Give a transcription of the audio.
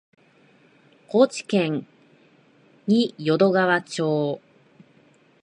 高知県仁淀川町